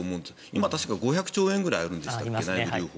今、確か５００兆円くらいあるんでしたっけ。